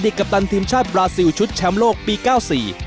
อดีตกัปตันทีมชาติบราซิลชุดแชมป์โลกปี๙๔